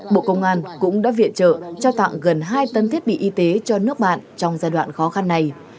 bộ công an cũng đã viện trợ trao tặng gần hai tấn thiết bị y tế cho nước bạn trong giai đoạn khó khăn này